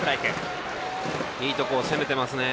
いいところを攻めてますね。